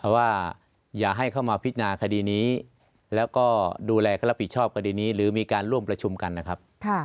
ว่าอย่าให้เข้ามาพิจารณาคดีนี้แล้วก็ดูแลก็รับผิดชอบคดีนี้หรือมีการร่วมประชุมกันนะครับ